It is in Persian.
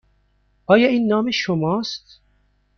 آیا این نام شما است؟